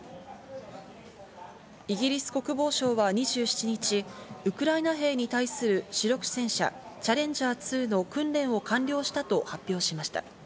イギリス国防省は２７日、ウクライナ兵に対する主力戦車「チャレンジャー２」の訓練を完了したと発表しました。